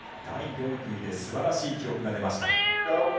第４組ですばらしい記録が出ました。